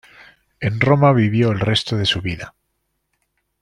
En Roma vivió el resto de su vida.